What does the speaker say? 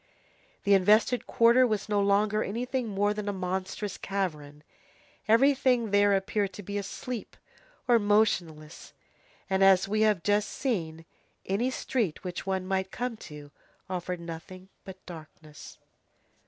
The invested quarter was no longer anything more than a monstrous cavern; everything there appeared to be asleep or motionless, and, as we have just seen, any street which one might come to offered nothing but darkness.